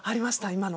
今の。